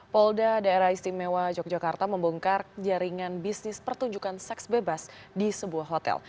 polda daerah istimewa yogyakarta membongkar jaringan bisnis pertunjukan seks bebas di sebuah hotel